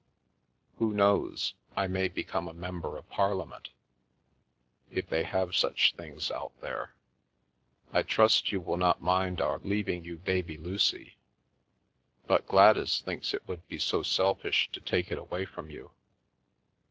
Who knows? I may become a member of Parliament, if they have such things out there. I trust you will not mind our leaving you baby Lucy, but Gladys thinks it would be so selfish to take it away from you.